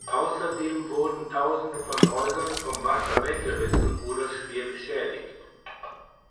Außerdem wurden Tausende von Häusern vom Wasser weggerissen oder schwer beschädigt.